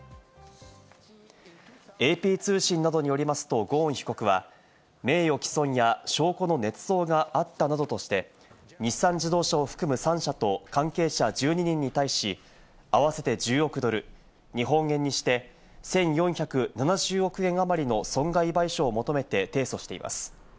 ＡＰ通信などによりますとゴーン被告は名誉毀損や証拠の捏造があったなどとして、日産自動車を含む３社と関係者１２人に対し、合わせて１０億ドル、日本円にして、１４７０億円あまりの損害賠償を求めて提訴しています。